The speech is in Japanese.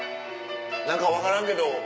何か分からんけど